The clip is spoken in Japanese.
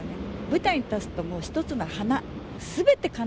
舞台に立つともう一つの華。